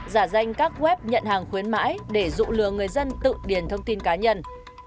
một giả danh các web nhận hàng khuyến mãi để dụ lừa người dân tự điền thông tin cá nhân